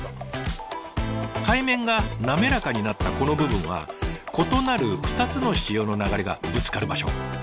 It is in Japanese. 海面が滑らかになったこの部分は異なる２つの潮の流れがぶつかる場所。